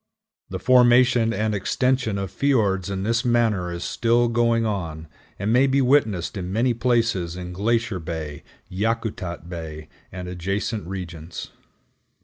The formation and extension of fiords in this manner is still going on, and may be witnessed in many places in Glacier Bay, Yakutat Bay, and adjacent regions.